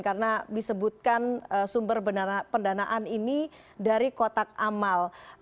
karena disebutkan sumber pendanaan ini dari kotak amal